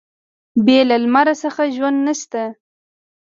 بې له لمر څخه ژوند نشته.